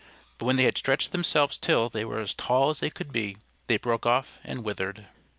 But when they had stretched themselves till they were as tall as they could be, they broke off and withered.